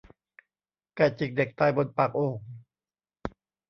ไก่จิกเด็กตายบนปากโอ่ง